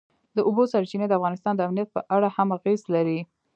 د اوبو سرچینې د افغانستان د امنیت په اړه هم اغېز لري.